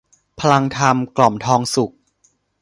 พลังธรรม กล่อมทองสุข